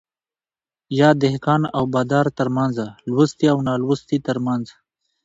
يا دهقان او بادار ترمنځ ،لوستي او نالوستي ترمنځ